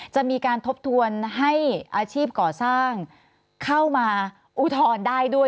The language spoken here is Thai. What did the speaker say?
จะมีการทบทวนให้อาชีพก่อสร้างเข้ามาอุทธรณ์ได้ด้วย